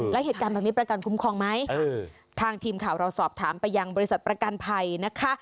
แล้วเหตุการณ์แบบนี้ประกันคุ้มครองไหมทางทีมข่าวเราสอบถามไปยังบริษัทประกันภัยนะคะ